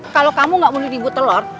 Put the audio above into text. kalau kamu nggak menelepon telur